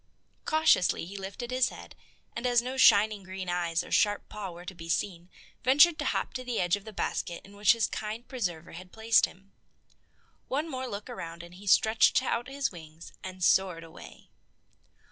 Cautiously he lifted his head, and as no shining green eyes or sharp paw were to be seen, ventured to hop to the edge of the basket in which his kind preserver had placed him. One more look around and he stretched out his wings and soared away.